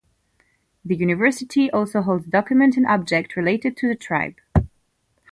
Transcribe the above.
The university also holds documents and objects related to the tribe.